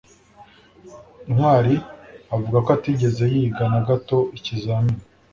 ntwali avuga ko atigeze yiga na gato ikizamini